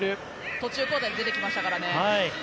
途中交代で出てきましたからね。